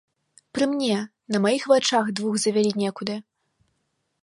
Пры мне, на маіх вачах двух завялі некуды.